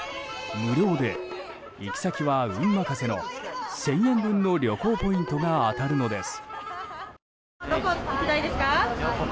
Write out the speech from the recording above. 無料で行き先は運任せの１０００円分の旅行ポイントが当たるのです。